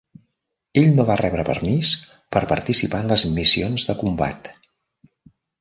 Ell no va rebre permís per participar en les missions de combat.